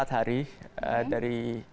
empat hari dari